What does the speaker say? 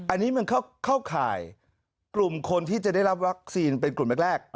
อันนี้มันเข้าข่ายกลุ่มคนที่จะได้รับวัคซีนเป็นกลุ่มแรก